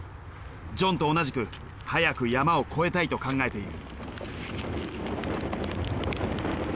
ジョンと同じく早く山を越えたいと考えている。